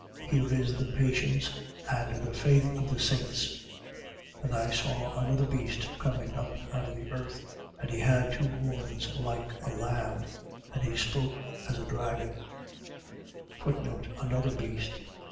Here is the patience and the faith of the saints. 13:11. And I saw another beast coming up out of the earth: and he had two horns, like a lamb: and he spoke as a dragon. Another beast.